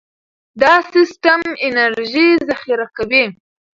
دا سیستم انرژي ذخیره کوي.